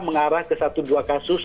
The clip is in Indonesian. mengarah ke satu dua kasus